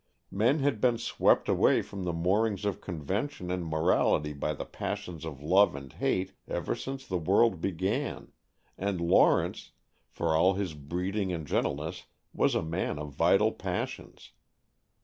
Men had been swept away from the moorings of convention and morality by the passions of love and hate ever since the world began, and Lawrence, for all his breeding and gentleness, was a man of vital passions.